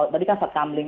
tadi kan sekamling